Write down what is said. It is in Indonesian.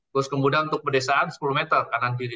terus kemudian untuk pedesaan sepuluh meter kanan kiri